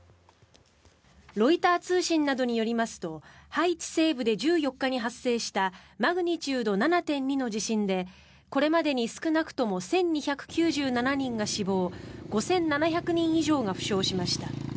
ロイター通信などによりますとハイチ西部で１４日に発生したマグニチュード７．２の地震でこれまでに少なくとも１２９７人が死亡５７００人以上が負傷しました。